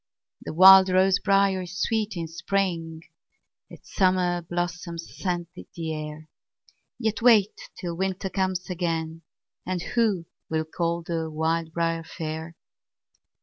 The wild rose briar is sweet in spring, Its summer blossoms scent the air; Yet wait till winter comes again, And who will call the wild briar fair?